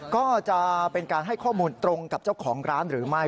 ก็จะเป็นการให้ข้อมูลตรงกับเจ้าของร้านหรือไม่